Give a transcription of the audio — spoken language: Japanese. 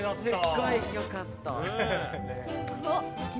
すっごいよかった。